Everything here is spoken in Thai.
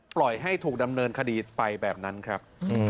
ปล่อยให้ถูกดำเนินคดีไปแบบนั้นครับ